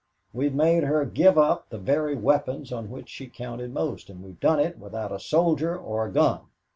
We've made her give up the very weapons on which she counted most, and we've done it without a soldier or a gun."